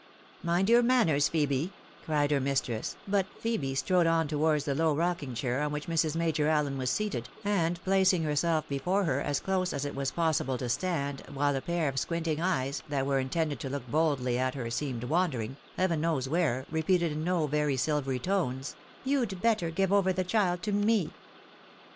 " Mind your manners, Phebe 1 " cried her mistress, but Phebe strode on towards the low rocking chair on which Mrs. Major Allen was seated, and placing herself before her ^ close as it was possible to stand, while a pair of squinting eyes, that were intended to look boldly at her, seemed wandering, heaven knows where, repeated in no very silvery tones —" You'd better give over the child to me."